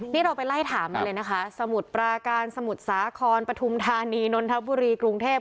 นี่เราไปไล่ถามมาเลยนะคะสมุทรปราการสมุทรสาครปฐุมธานีนนทบุรีกรุงเทพ